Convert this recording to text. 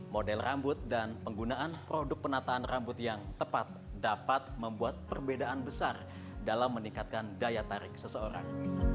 model rambut dan penggunaan produk penataan rambut yang tepat dapat membuat perbedaan besar dalam meningkatkan daya tarik seseorang